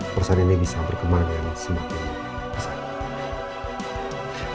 perusahaan ini bisa berkembang dan semakin besar